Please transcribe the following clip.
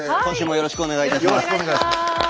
よろしくお願いします。